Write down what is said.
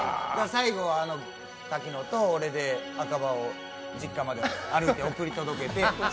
最後は滝野と俺で赤羽を実家まで歩いて送り届けて。